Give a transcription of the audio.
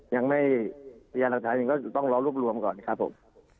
พยานหลักฐานยังก็ต้องรอรวบรวมก่อนครับผม